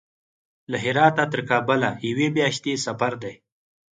له هراته تر کابل یوې میاشتې سفر دی.